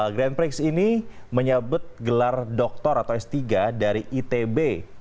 grand prix ini menyebut gelar doktor atau s tiga dari itb